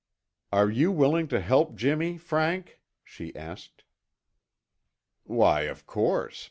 "Are you willing to help Jimmy, Frank?" she asked. "Why, of course!